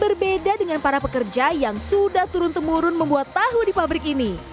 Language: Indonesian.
berbeda dengan para pekerja yang sudah turun temurun membuat tahu di pabrik ini